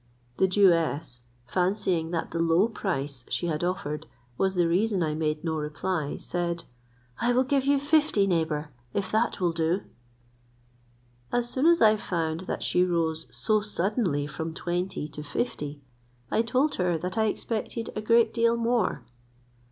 The Jewess, fancying that the low price she had offered was the reason I made no reply, said, "I will give you fifty, neighbour, if that will do." As soon as I found that she rose so suddenly from twenty to fifty, I told her that I expected a great deal more.